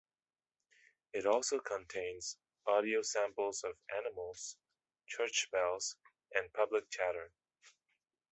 It also contains audio samples of animals, church bells, and public chatter.